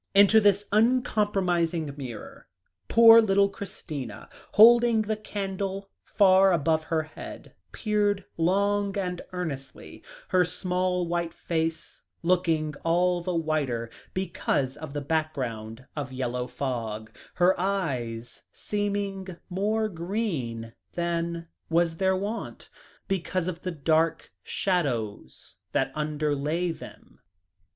Into this unpromising mirror, poor little Christina, holding the candle far above her head, peered long and earnestly, her small white face looking all the whiter, because of the background of yellow fog; her eyes seeming more green than was their wont, because of the dark shadows that underlay them.